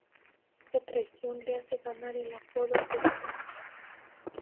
Esta traición le hace ganar el apodo de ""Judas"".